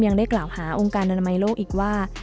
ยังได้กล่าวหาองค์การอนามัยโลกอีกว่า